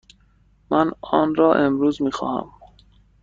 من آن را امروز می خواهم.